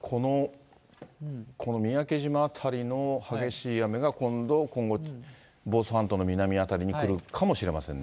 この三宅島辺りの激しい雨が、今度、今後、房総半島の南辺りに来るかもしれませんね。